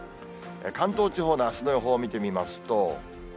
関東地方のあすの予報を見てみますと。